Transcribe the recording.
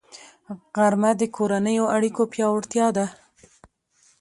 غرمه د کورنیو اړیکو پیاوړتیا ده